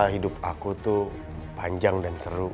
hidup aku tuh panjang dan seru